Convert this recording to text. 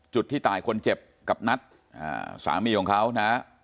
ที่ตายคนเจ็บกับนัทสามีของเขานะ